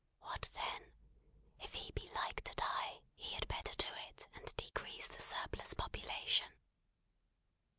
What then? If he be like to die, he had better do it, and decrease the surplus population."